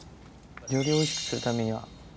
よりおいしくするためには。